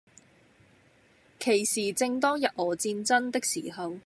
其時正當日俄戰爭的時候，